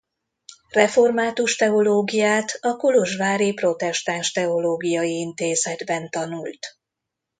Református teológiát a kolozsvári Protestáns Teológiai Intézetben tanult.